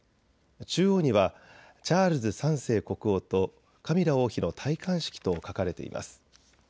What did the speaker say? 中央にはチャールズ３世国王とカミラ王妃の戴冠式と書かれています。